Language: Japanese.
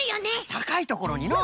たかいところにのう。